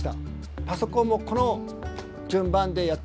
パソコンもこの順番でやっていけばいいと。